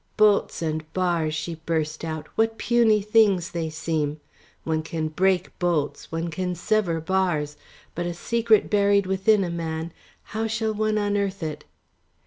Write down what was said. Bolts and bars," she burst out, "what puny things they seem! One can break bolts, one can sever bars, but a secret buried within a man, how shall one unearth it?"